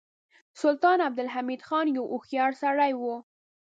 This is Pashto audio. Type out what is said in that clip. سلطان عبدالحمید خان یو هوښیار سړی و.